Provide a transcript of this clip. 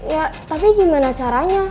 ya tapi gimana caranya